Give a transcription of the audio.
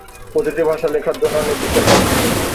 প্রতিটি ভাষা লেখার জন্য নির্দিষ্ট নিয়ম থাকে।